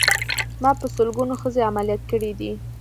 ما په سلګونو ښځې عمليات کړې دي.